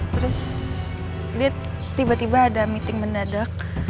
terus dia tiba tiba ada meeting mendadak